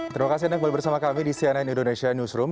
terima kasih anda kembali bersama kami di cnn indonesia newsroom